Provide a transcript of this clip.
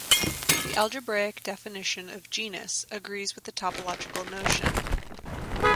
The algebraic definition of genus agrees with the topological notion.